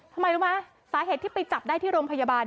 ทำไมรู้ไหมสาเหตุที่ไปจับได้ที่โรงพยาบาล